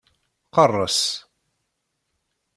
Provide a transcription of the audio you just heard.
Qerres!